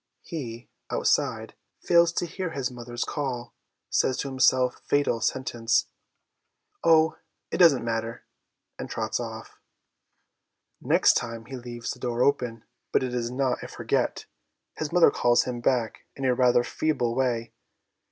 He, outside, fails to hear his mother's call, says, to himself fatal sentence !' Oh, it doesn't matter,' and trots off. Next time he leaves the door open, but it is not a 'forget/ His mother calls him back in a rather feeble way.